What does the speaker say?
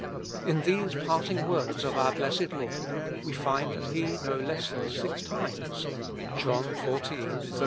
In these parting words of our blessed Lord we find that He no less than six times (John xiv.